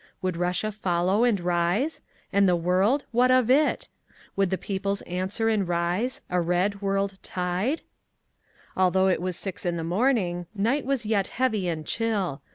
Would Russia follow and rise? And the world—what of it? Would the peoples answer and rise, a red world tide? Although it was six in the morning, night was yet heavy and chill.